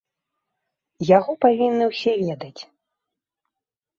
Яго павінны ўсе ведаць.